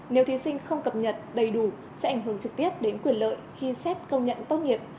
nếu thí sinh không cập nhật đầy đủ sẽ ảnh hưởng trực tiếp đến quyền lợi khi xét công nhận tốt nghiệp